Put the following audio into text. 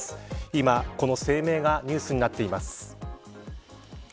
今、この声明がニュースになっています。